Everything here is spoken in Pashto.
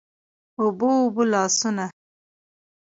اوبه، اوبه لاسونه